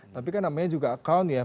tapi kan namanya juga account ya